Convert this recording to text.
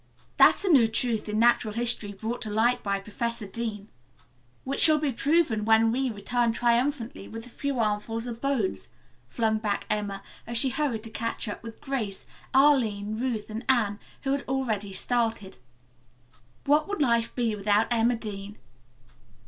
"That's a new truth in natural history brought to light by Professor Dean." "Which shall be proven when we return triumphantly with a few armfuls of bones," flung back Emma as she hurried to catch up with Grace, Arline, Ruth and Anne, who had already started. "What would life be without Emma Dean?"